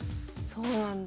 そうなんだ。